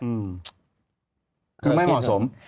มันไม่เหมาะสม